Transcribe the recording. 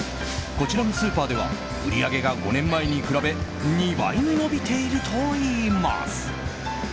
こちらのスーパーでは売り上げが５年前に比べ２倍に伸びているといいます。